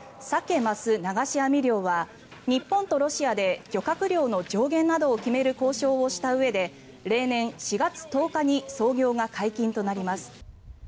日本の排他的経済水域で行われるサケ・マス流し網漁は日本とロシアで漁獲量の上限などを決める交渉をしたうえで例年４月１０日に操業が解禁となります。